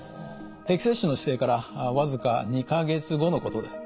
定期接種の指定から僅か２か月後のことです。